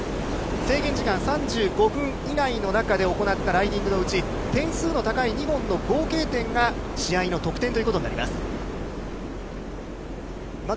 制限時間３５分以内に行ったライディングのうち、点数の高い２本の合計点が高いほうが試合の得点ということになります。